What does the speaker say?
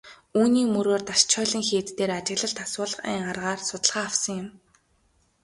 Үүний мөрөөр Дашчойлин хийд дээр ажиглалт асуулгын аргаар судалгаа авсан юм.